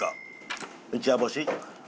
一夜干し？